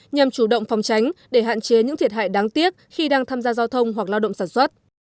nhằm chủ động phòng tránh để hạn chế những thiệt hại đáng tiếc khi đang tham gia giao thông hoặc lao động sản xuất